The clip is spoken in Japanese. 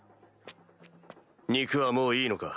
肉はもういいのか？